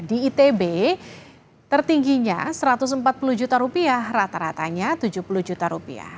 di itb tertingginya rp satu ratus empat puluh juta rupiah rata ratanya rp tujuh puluh juta